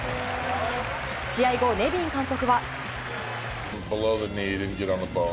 試合後、ネビン監督は。